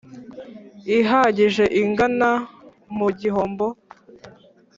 ihagije igana mu gihombo